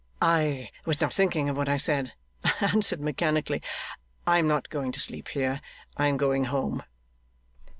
'I was not thinking of what I said; I answered mechanically. I am not going to sleep here. I am going home.